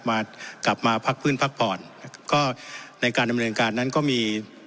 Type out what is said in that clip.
มากลับมาพักพื้นพักผ่อนนะครับก็ในการดำเนินการนั้นก็มี